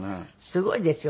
すごいですよ。